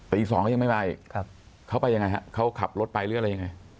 ตีสองเขายังไม่มาอีกเขาไปยังไงครับเขาขับรถไปหรืออะไรยังไง